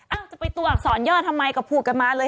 จะไปตัวอักษรย่อทำไมก็พูดกันมาเลย